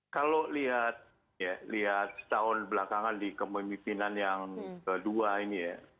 kalau lihat ya lihat setahun belakangan di kemimpinan yang kedua ini ya